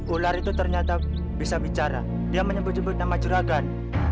ular itu ternyata bisa bicara dia menyebut nyebut nama juragan